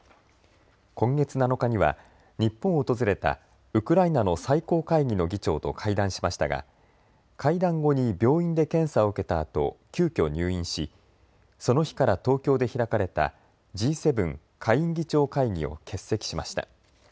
今月７日には日本を訪れたウクライナの最高会議の議長と会談しましたが会談後に病院で検査を受けたあと急きょ入院しその日から東京で開かれたＧ７下院議長会議を欠席しました。